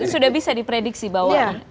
sudah bisa diprediksi bahwa